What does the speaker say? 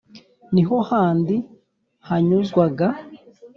Ni ho kandi hanyuzwaga